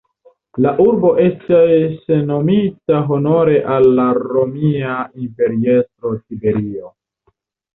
La urbo estis nomita honore al la romia imperiestro Tiberio.